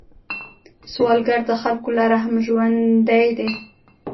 سوالګر د خلکو له رحم ژوندی دی